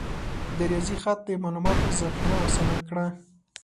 د ریاضي خط د معلوماتو ذخیره آسانه کړه.